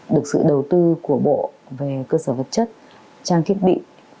được sự đầu tư của bộ về cơ sở vật chất trang thiết bị